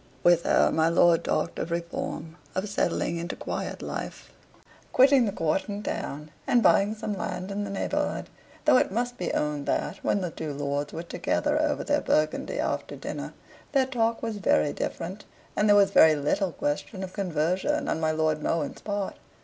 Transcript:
With her my lord talked of reform, of settling into quiet life, quitting the court and town, and buying some land in the neighborhood though it must be owned that, when the two lords were together over their Burgundy after dinner, their talk was very different, and there was very little question of conversion on my Lord Mohun's part.